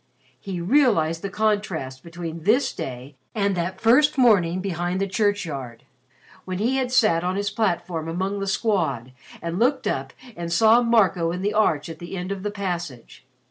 He realized the contrast between this day and that first morning behind the churchyard, when he had sat on his platform among the Squad and looked up and saw Marco in the arch at the end of the passage.